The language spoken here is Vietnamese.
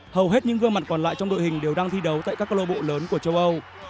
hầu hết những gương mặt còn lại trong đội hình đều đang thi đấu tại các cơ lộ bộ lớn của châu âu